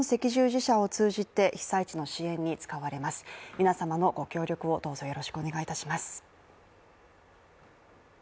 皆様のご協力をどうぞお願いいたします。